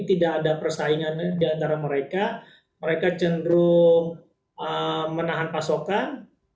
tidak ada persaingannya diantara mereka mereka cenderung menahan pasokan